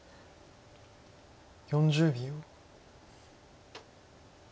４０秒。